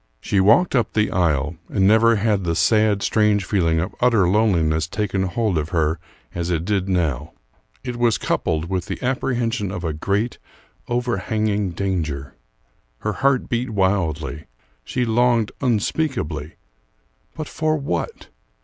She walked up the aisle, and never had the sad, strange feeling of utter loneliness taken hold of her as it did now; it was coupled with the apprehension of a great, overhanging danger. Her heart beat wildly; she longed unspeakably but for what?